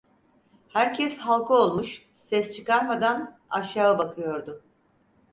Herkes halka olmuş, ses çıkarmadan, aşağı bakıyordu.